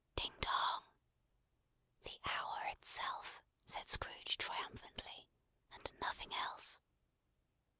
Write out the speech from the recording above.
"Ding, dong!" "The hour itself," said Scrooge, triumphantly, "and nothing else!"